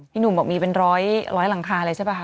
พี่หนูก็ว่ามีเป็นร้อยหลังคาเลยใช่ปะคะ